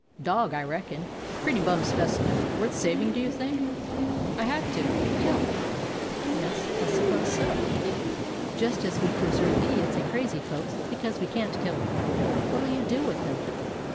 "Dog, I reckon." "Pretty bum specimen. Worth saving, do you think?" "I had to. It yelped." "Yes, I s'pose so, just as we preserve idiots and crazy folks — because we can't kill 'em. What 'll you do with him?"